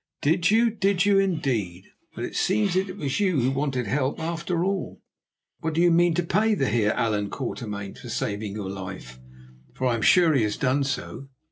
"Did you, did you, indeed! Well, it seems that it was you who wanted the help, after all. What do you mean to pay the Heer Allan Quatermain for saving your life, for I am sure he has done so?